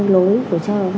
lối của cha